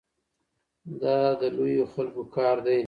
دا د لویو خلکو کار دی.